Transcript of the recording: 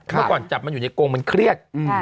เมื่อก่อนจับมันอยู่ในกงมันเครียด